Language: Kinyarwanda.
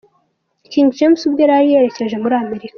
King James ubwo yari yerekeje muri Amerika.